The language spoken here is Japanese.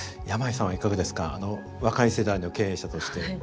山井さんはいかがですか若い世代の経営者として。